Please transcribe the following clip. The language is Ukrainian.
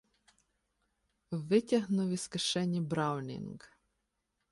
Витягнув із кишені "Браунінг".